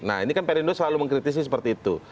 nah ini kan perindo selalu mengkritisi seperti itu